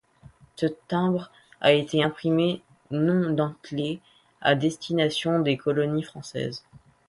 Ce timbre a été imprimé non dentelé à destination des colonies françaises.